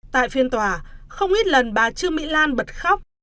tại phiên tòa không ít lần bà trương mỹ lan bật khóc